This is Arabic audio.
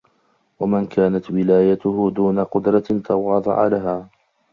وَمَنْ كَانَتْ وِلَايَتُهُ دُونَ قُدْرَةٍ تَوَاضَعَ لَهَا